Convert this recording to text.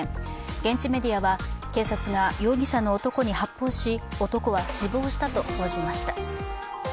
現地メディアは警察が容疑者の男に発砲し、男は死亡したと報じました。